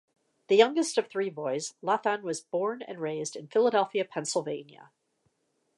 The youngest of three boys, Lathan was born and raised in Philadelphia, Pennsylvania.